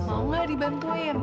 mau gak dibantuin